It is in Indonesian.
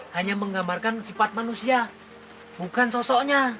hanya menggambarkan sifat manusia bukan sosoknya